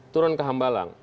turun ke hambalang